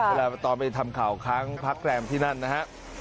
เวลาต่อไปทำข่าวค้างพักแกรมที่นั่นนะครับ